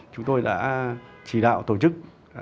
chúng tôi đã chỉ đạo tổ chức